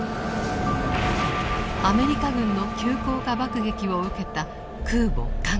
アメリカ軍の急降下爆撃を受けた空母「加賀」。